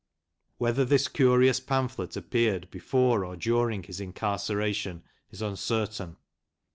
Whether this curious pamphlet appeared before or during his incarceration is uncertain.